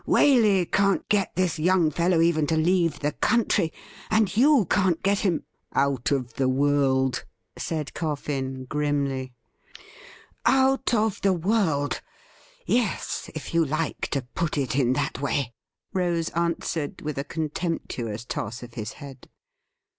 Waley can't get this young fellow even to leave the country, and you can't get him ''' Out of the world,' said Coffiij grimly. ' Out of the world — yes, if you like to put it in that way,' Rose answered, with a contemptuous toss of his head.